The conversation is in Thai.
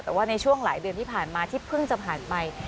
แต่ว่าในช่วงหลายเดือนที่ผ่านมาที่เพิ่งจะผ่านไป